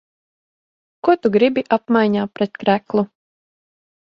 Ko tu gribi apmaiņā pret kreklu?